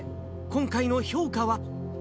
今回の評価は。